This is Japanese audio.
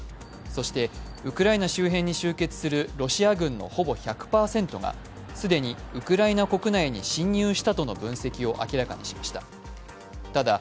そして、ウクライナ周辺に集結するロシア軍のほぼ１００％が既にウクライナ国内に侵入したとの分析を明らかにしました。